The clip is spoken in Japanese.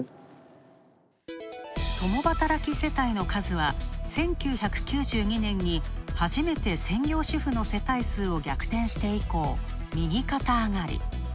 共働き世帯の数は、１９９２年に初めて専業主婦の世帯数を逆転して以降、右肩上がり。